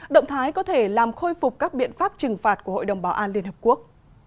động thái có thể làm khôi phục các biện pháp trừng phạt của hội đồng bảo an liên hợp quốc